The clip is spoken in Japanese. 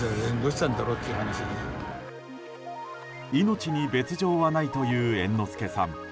命に別条はないという猿之助さん。